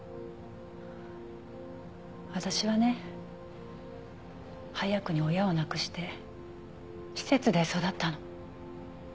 私はね早くに親を亡くして施設で育ったの。